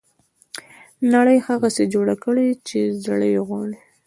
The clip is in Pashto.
نړۍ هغسې جوړه کړي چې زړه یې غواړي.